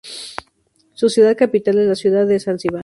Su ciudad capital es la ciudad de Zanzíbar.